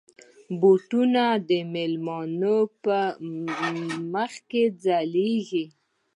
بوټونه د مېلمنو په مخ کې ځلېږي.